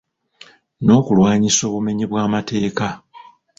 N'okulwanyisa obumenyi bw'amateeka.